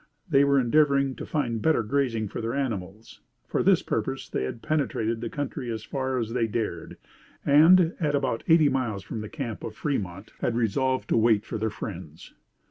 They were endeavoring to find better grazing for their animals. For this purpose they had penetrated the country as far as they dared; and, at about eighty miles from the camp of Fremont, had resolved to wait for their friends.